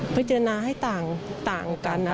พิจารณาให้ต่างกัน